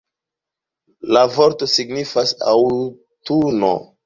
La vorto signifas „aŭtuno“.